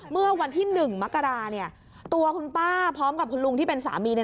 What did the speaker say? เมื่อวันที่๑มกราตัวคุณป้าพร้อมกับคุณลุงที่เป็นสามี